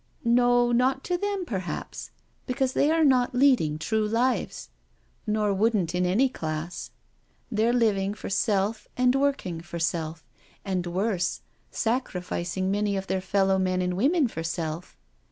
" No, not to them perhaps, because they are not leading true lives, nor wouldn't in any class — they're living for self and working for self, and worse, sacrific ing many of their fellow men and women for self.